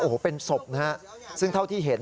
โอ้โหเป็นศพนะฮะซึ่งเท่าที่เห็น